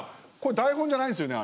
台本じゃないですよね。